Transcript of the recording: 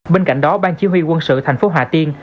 bên cạnh đó ban chỉ huy quân sự thành phố hà tiên